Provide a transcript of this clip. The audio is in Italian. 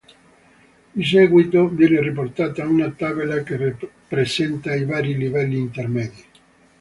Di seguito viene riportata una tabella che presenta i vari livelli intermedi.